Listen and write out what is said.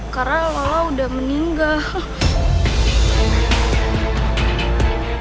karena lola udah meninggal